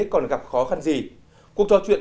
còn gặp khó khăn gì cuộc trò chuyện